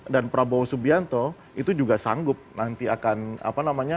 dan prabowo subianto itu juga sanggup nanti akan apa namanya